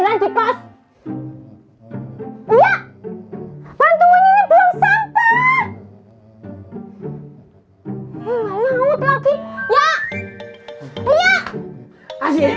sampai jumpa di yayasan